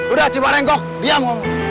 udah ciparenggok diam